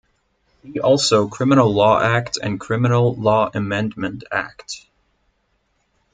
See also Criminal Law Act and Criminal Law Amendment Act.